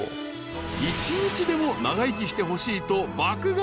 ［一日でも長生きしてほしいと爆買い］